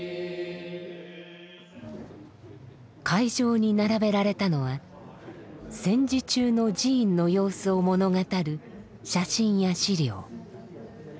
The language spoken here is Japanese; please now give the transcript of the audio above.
会場に並べられたのは戦時中の寺院の様子を物語る写真や資料。